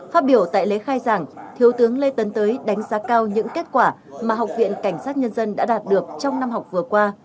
phát biểu tại lễ khai giảng thiếu tướng lê tấn tới đánh giá cao những kết quả mà học viện cảnh sát nhân dân đã đạt được trong năm học vừa qua